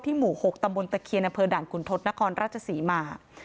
ที่หมู่๖ตำบลตะเคียนอดคุณทศนครราชสีมา